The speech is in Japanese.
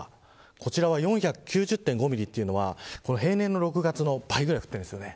こちらは４９０．５ミリというのは平年の６月の倍ぐらい降っているんです。